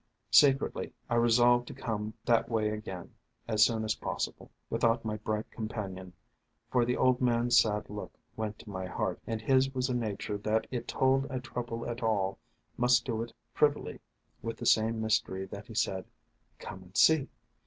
Secretly I resolved to come that way again as soon as possible, without my bright companion, for the old man's sad look went to my heart, and his was a nature that if it told a trouble at all, must do it privily, with the same mystery that he said, " Come and see